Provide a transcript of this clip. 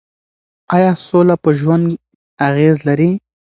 ایا سوله په ژوند اغېز لري؟